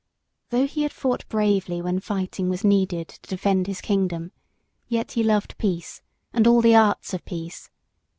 ] Though he had fought bravely when fighting was needed to defend his kingdom, yet he loved peace and all the arts of peace.